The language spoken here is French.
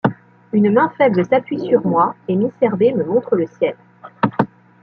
Une main faible s’appuie sur moi, et miss Herbey me montre le ciel !